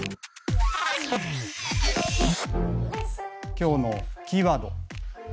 今日のキーワード